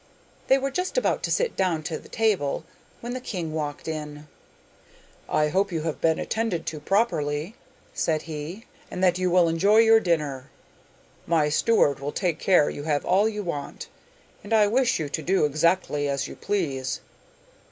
They were just about to sit down to the table when the king walked in. 'I hope you have been attended to properly,' said he, 'and that you will enjoy your dinner. My steward will take care you have all you want, and I wish you to do exactly as you please.